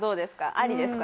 ありですか？